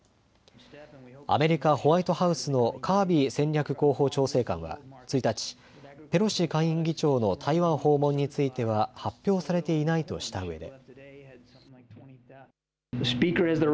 アメリカ・ホワイトハウスのカービー戦略広報調整官は１日、ペロシ下院議長の台湾訪問については発表されていないとしたうえで。